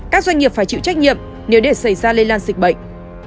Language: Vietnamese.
các doanh nghiệp phải chịu trách nhiệm nếu để xảy ra lây lan dịch bệnh